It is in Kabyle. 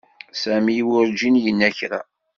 Sami werǧin yenna kra.